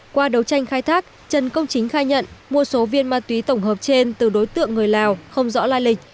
qua đấu tranh khai thác trần công chính khai nhận mua số viên ma túy tổng hợp trên từ đối tượng người lào không rõ lai lịch